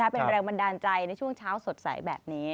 เป็นแรงบันดาลใจในช่วงเช้าสดใสแบบนี้